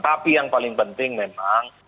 tapi yang paling penting memang